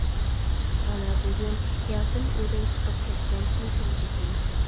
مانا بۈگۈن ياسىن ئۆيدىن چىقىپ كەتكەن تۆتىنچى كۈن.